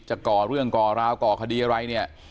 ก่อเรื่องก่อราวก่อคดีอะไรเนี่ย